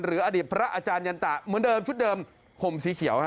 อดีตพระอาจารยันตะเหมือนเดิมชุดเดิมห่มสีเขียวฮะ